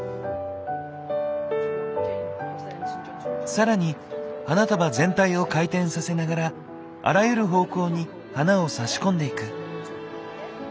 更に花束全体を回転させながらあらゆる方向に花を差し込んでいく。